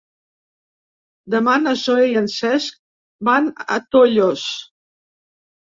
Demà na Zoè i en Cesc van a Tollos.